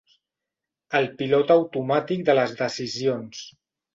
El pilot automàtic de les decisions.